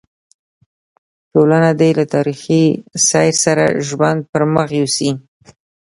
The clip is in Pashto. ټولنه دې له تاریخي سیر سره ژوند پر مخ یوسي.